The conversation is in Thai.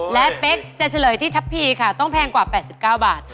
และเป๊กจะเฉลยที่ทัพพีค่ะต้องแพงกว่า๘๙บาท